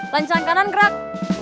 lancar kanan gerak